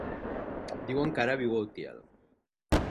Diuen que ara viu a Utiel.